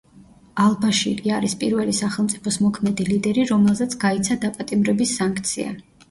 ალ-ბაშირი არის პირველი სახელმწიფოს მოქმედი ლიდერი, რომელზეც გაიცა დაპატიმრების სანქცია.